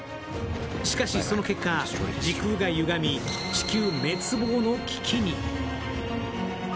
しかし、その結果、時空がゆがみ地球滅亡の危機に。